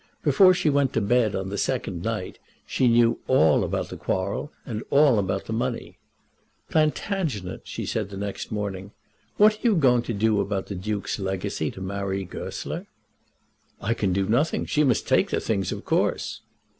Before she went to bed on the second night she knew all about the quarrel, and all about the money. "Plantagenet," she said the next morning, "what are you going to do about the Duke's legacy to Marie Goesler?" "I can do nothing. She must take the things, of course."